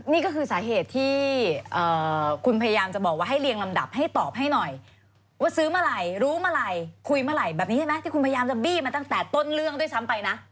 นี่ก็คือสาเหตุที่คุณพยายามจะบอกว่าให้เรียงลำดับให้ตอบให้หน่อยว่าซื้อเมื่อไหร่รู้เมื่อไหร่คุยเมื่อไหร่แบบนี้ใช่ไหมที่คุณพยายามจะบี้มาตั้งแต่ต้นเรื่องด้วยซ้ำไปนะ